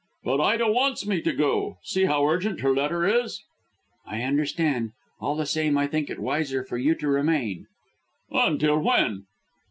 "But Ida wants me to go. See how urgent her letter is." "I understand. All the same, I think it wiser for you to remain." "Until when?"